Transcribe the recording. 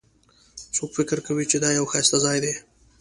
څوک فکر کوي چې دا یو ښایسته ځای ده